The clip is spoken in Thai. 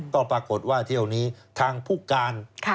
ก็ปรากฏว่าเที่ยวนี้ทางผู้การ